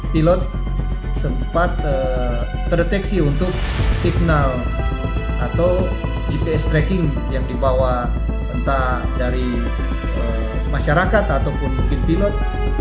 pilot sempat terdeteksi untuk signal atau gps tracking yang dibawa entah dari masyarakat ataupun mungkin pilot